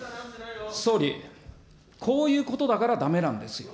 総理、こういうことだから、だめなんですよ。